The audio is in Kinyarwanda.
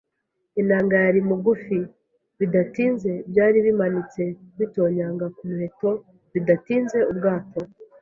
inanga yari mugufi; bidatinze byari bimanitse bitonyanga ku muheto; bidatinze ubwato